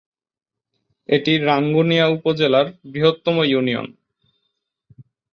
এটি রাঙ্গুনিয়া উপজেলার বৃহত্তম ইউনিয়ন।